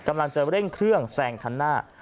กำลังจะเร่งเครื่องแซงคันหน้า